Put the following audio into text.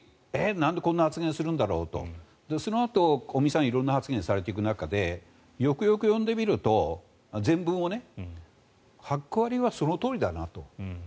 なんでこんな発言するんだろうとそのあと、尾身さんが色んな発言をされていく中でよくよく全文を読んでみるとそのとおりだなと。